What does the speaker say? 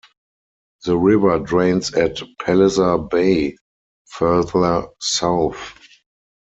The river drains at Palliser Bay further south.